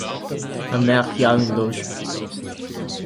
Ma mère y a une loge.